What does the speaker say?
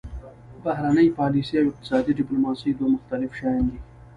بهرنۍ پالیسي او اقتصادي ډیپلوماسي دوه مختلف شیان دي